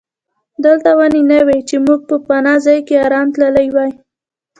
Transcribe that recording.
دلته ونې نه وې چې موږ په پناه ځای کې آرام تللي وای.